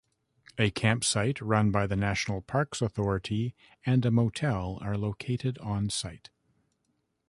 A campsite, run by the National Parks Authority, and a motel are located on-site.